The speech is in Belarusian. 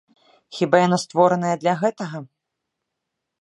Хіба яно створанае для гэтага?